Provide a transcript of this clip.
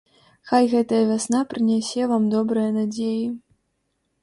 Хай гэтая вясна прынясе вам добрыя надзеі.